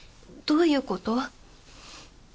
どういうこと？